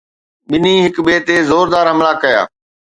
ٻنهي هڪ ٻئي تي زوردار حملا ڪيا